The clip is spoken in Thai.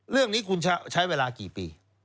เรื่องนี้คุณใช้เวลากี่ปี